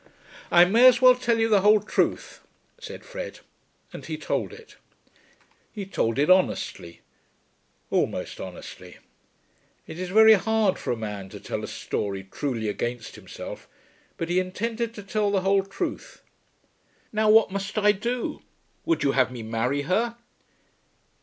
"I may as well tell you the whole truth," said Fred. And he told it. He told it honestly, almost honestly. It is very hard for a man to tell a story truly against himself, but he intended to tell the whole truth. "Now what must I do? Would you have me marry her?"